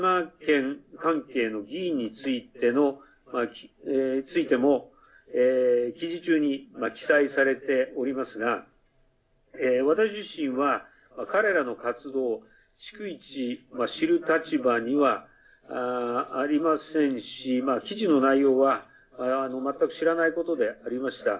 第３に広島県関係の議員についても記事中に記載されておりますが私自身は、彼らの活動逐一知る立場にはありませんし記事の内容は全く知らないことでありました。